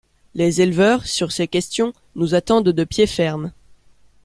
Les éleveurs, sur ces questions, nous attendent de pied ferme.